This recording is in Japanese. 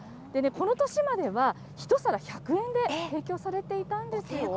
この年までは、１皿１００円で提供されていたんですよ。